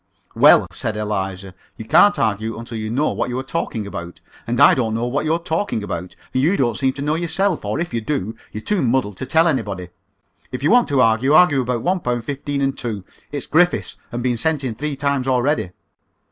"Well," said Eliza, "you can't argue until you know what you are talking about, and I don't know what you're talking about, and you don't seem to know yourself, or, if you do, you're too muddled to tell anybody. If you want to argue, argue about one pound fifteen and two. It's Griffiths, and been sent in three times already."